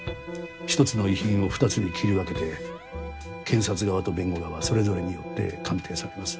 １つの遺品を２つに切り分けて検察側と弁護側それぞれによって鑑定されます。